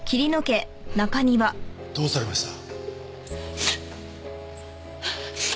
どうされました？